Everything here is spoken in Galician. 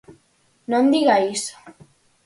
Non diga iso.